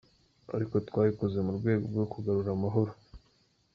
Ariko, twabikoze mu rwego rwo kugarura amahoro.